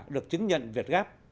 được chứng nhận việt gáp